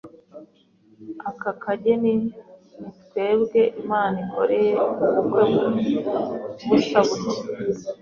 aka kageni ni twebwe Imana ikoreye ubukwe busa butya